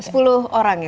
sepuluh orang ya